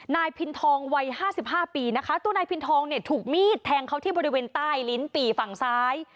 นายพินทองวัยห้าสิบห้าปีนะคะตัวนายพินทองเนี่ยถูกมีดแทงเขาที่บริเวณใต้ลิ้นปี่ฝั่งซ้าย